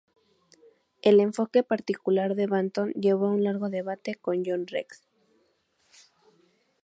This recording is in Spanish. El enfoque particular de Banton llevó a un largo debate con John Rex.